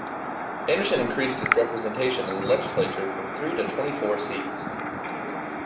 Anderson increased its representation in the legislature from three to twenty four seats.